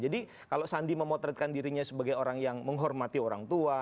jadi kalau sandi memotretkan dirinya sebagai orang yang menghormati orang tua